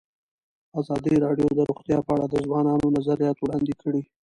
ازادي راډیو د روغتیا په اړه د ځوانانو نظریات وړاندې کړي.